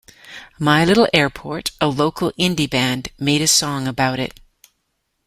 My Little Airport, a local indie band, made a song about it.